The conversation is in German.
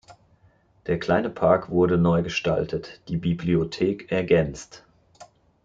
Der kleine Park wurde neu gestaltet, die Bibliothek ergänzt.